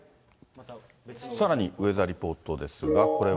さらにウェザーリポートですが、これは。